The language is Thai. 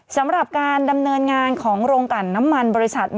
สำหรับการดำเนินงานของโรงกันน้ำมันบริษัท